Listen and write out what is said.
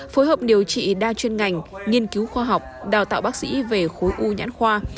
phối hợp điều trị đa chuyên ngành nghiên cứu khoa học đào tạo bác sĩ về khối u nhãn khoa